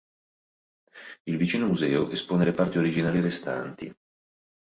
Il vicino museo espone le parti originali restanti.